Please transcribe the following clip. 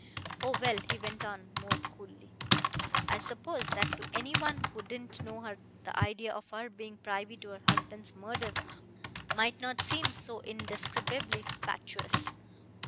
Oh, well!" he went on more coolly, "I suppose that to any one who didn't know her the idea of her being privy to her husband's murder might not seem so indescribably fatuous.